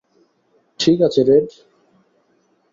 ঠিক আছে, রেড।